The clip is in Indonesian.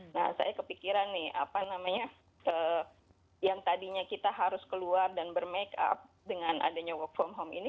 nah saya kepikiran nih apa namanya yang tadinya kita harus keluar dan bermake up dengan adanya work from home ini